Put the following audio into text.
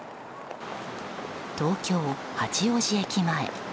東京・八王子駅前。